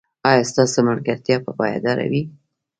ایا ستاسو ملګرتیا به پایداره وي؟